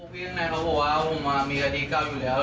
ปีงกลิ่นข้อบอกว่ามีคดีเก้าอยู่แล้ว